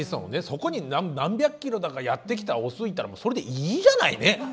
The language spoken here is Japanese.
そこに何百キロだかやって来たオスいたらもうそれでいいじゃないね。